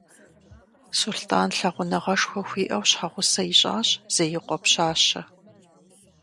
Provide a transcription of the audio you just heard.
Сулътӏан лъагъуныгъэшхуэ хуиӏэу щхьэгъусэ ищӏащ Зеикъуэ пщащэ.